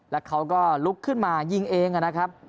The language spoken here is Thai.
แล้วเขาก็ลุกขึ้นมายิงเองนะครับ